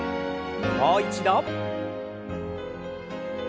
もう一度。